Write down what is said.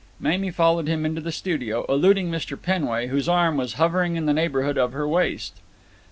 Mamie followed him into the studio, eluding Mr. Penway, whose arm was hovering in the neighbourhood of her waist.